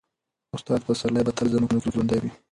استاد پسرلی به تل زموږ په زړونو کې ژوندی وي.